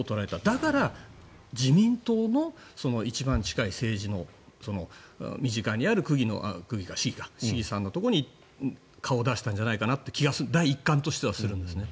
だから自民党の一番近い政治の身近にある市議さんのところに顔を出したんじゃないかという感じが第一感としてはするんですね。